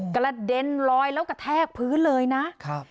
กระเด็นลอยแล้วกระแทกพื้นเลยนะครับ